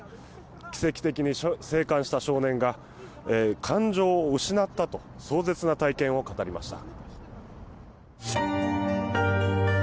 奇跡的に生還した少年が感情を失ったと壮絶な体験を語りました。